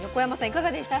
いかがでした？